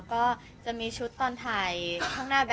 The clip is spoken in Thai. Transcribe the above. ขอบคุณครับ